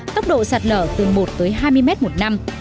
tốc độ sạt lở từ một tới hai mươi mét một năm